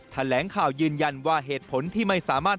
แถลงข่าวยืนยันว่าเหตุผลที่ไม่สามารถ